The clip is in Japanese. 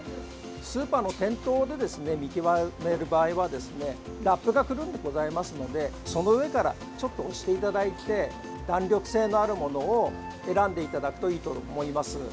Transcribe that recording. スーパーの店頭で見極める場合はラップがくるんでございますのでその上からちょっと押していただいて弾力性のあるものを選んでいただくといいと思います。